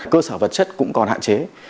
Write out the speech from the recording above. cơ sở vật chất cũng còn hạn chế